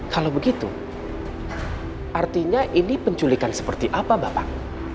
kalau begitu artinya ini penculikan seperti apa bapak